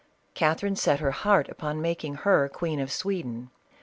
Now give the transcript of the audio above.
Catherine set her heart upon making her queen of Sweden.